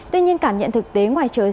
tuy nhiên cảm nhận thực tế ngoài trời